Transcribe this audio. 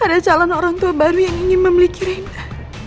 ada calon orang tua baru yang ingin memiliki rintang